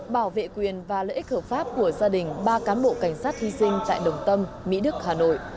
bảo vệ quyền và lợi ích hợp pháp của gia đình ba cán bộ cảnh sát hy sinh tại đồng tâm mỹ đức hà nội